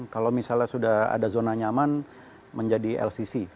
kalau misalnya sudah ada zona nyaman menjadi lcc